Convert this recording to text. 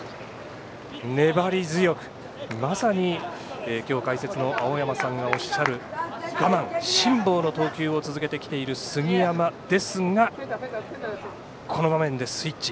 粘り強く、まさに今日解説の青山さんがおっしゃる我慢、辛抱の投球を続けてきている杉山ですがこの場面でスイッチ。